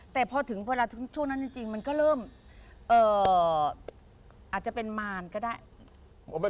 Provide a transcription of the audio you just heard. แต่พอถึงเวลาช่วงนั้นจริงมันก็เริ่มอาจจะเป็นมารก็ได้